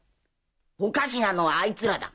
おかしなのはあいつらだ。